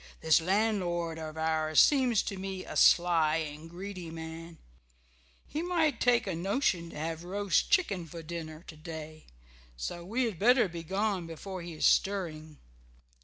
This landlord of ours seems to me a sly and greedy man; he might take a notion to have roast chicken for dinner to day, so we had better be gone before he is stirring."